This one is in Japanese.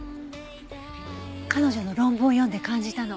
彼女の論文を読んで感じたの。